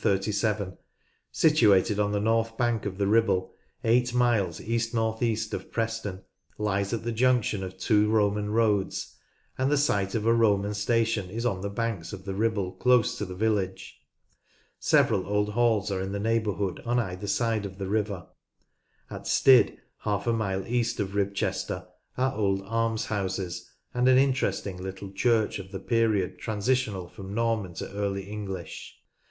Ribchester (1237), situated on the north bank of the Ribble, eight miles east north east of Preston, lies at the junction of two Roman roads, and the site of a Roman station is on the banks of the Ribble close to the village. Several old halls are 176 NORTH LANCASHIRE in the neighbourhood on either side of the river. At Styd, half a mile east of Ribchester, are old almshouses and an interesting little church of the period transitional from Norman to Early English.